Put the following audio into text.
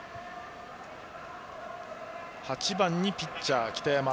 ８番にピッチャーの北山。